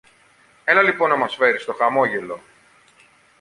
Έλα λοιπόν να μας φέρεις το χαμόγελο!